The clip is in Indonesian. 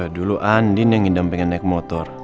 dulu andin yang indah pengen naik motor